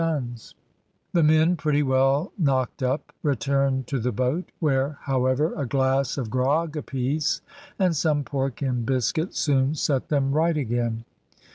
The work being accomplished, the men, pretty well knocked up, returned to the boat, where, however, a glass of grog apiece, and some pork and biscuit, soon set them right again.